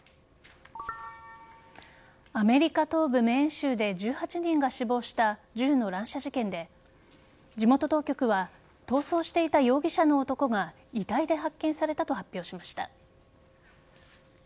アメリカ東部メーン州で１８人が死亡した銃の乱射事件で地元当局は逃走していた容疑者の男が遺体で発見されたと発表しました。